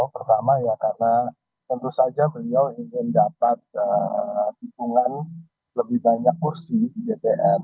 pertama ya karena tentu saja beliau ingin dapat dukungan lebih banyak kursi di dpr